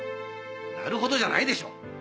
「なるほど」じゃないでしょう！